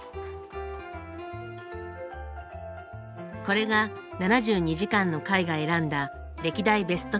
これが７２時間の会が選んだ歴代ベスト１０。